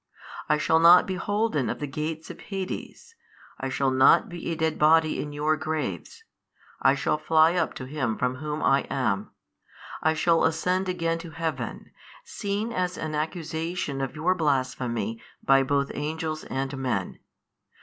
I shall not be holden of the gates of Hades, I shall not be a dead body in your graves, I shall fly up to Him from Whom I am, I shall ascend again to Heaven, seen as an accusation of your blasphemy by both angels and men.